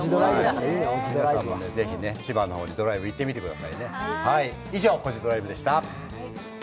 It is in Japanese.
皆さんも、ぜひ千葉の方にドライブ行ってみてくださいね。